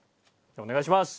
お願いします。